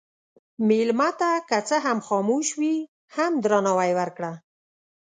مېلمه ته که څه هم خاموش وي، هم درناوی ورکړه.